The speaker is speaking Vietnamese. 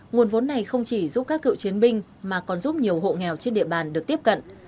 nguồn vốn này không chỉ giúp các cựu chiến binh mà còn giúp nhiều hộ nghèo trên địa bàn được tiếp cận